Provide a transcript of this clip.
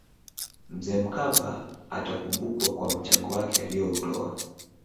mzee mkapa atakumbukwa kwa mchango wake aliyoutoa